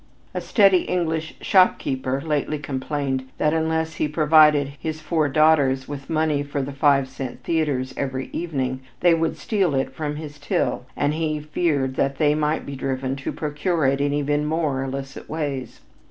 A steady English shopkeeper lately complained that unless he provided his four, daughters with the money for the five cent theaters every evening they would steal it from his till, and he feared that they might be driven to procure it in even more illicit ways.